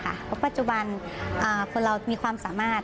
เพราะปัจจุบันคนเรามีความสามารถ